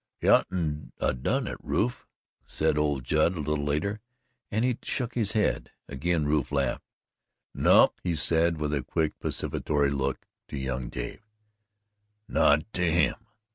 "You oughtn't to 'a' done it, Rufe," said old Judd a little later, and he shook his head. Again Rufe laughed: "No " he said with a quick pacificatory look to young Dave, "not to HIM!"